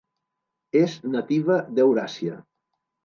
És nativa d'Euràsia.